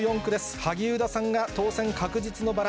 萩生田さんが当選確実のバラ。